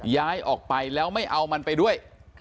ย้ายออกไปแล้วไม่เอามันไปด้วย